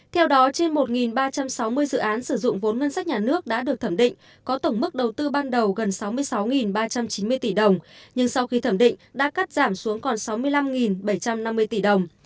theo đó trên một ba trăm sáu mươi dự án sử dụng vốn ngân sách nhà nước đã được thẩm định có tổng mức đầu tư ban đầu gần sáu mươi sáu ba trăm chín mươi tỷ đồng nhưng sau khi thẩm định đã cắt giảm xuống còn sáu mươi năm bảy trăm năm mươi tỷ đồng